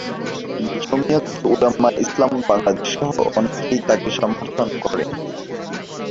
জমিয়তে উলামায়ে ইসলাম বাংলাদেশ সহ অনেকেই তাকে সমর্থন করে।